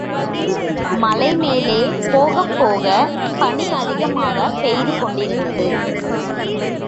மலைமேலே போகப் போகப் பணி அதிகமாகப் பெய்து கொண்டிருந்தது.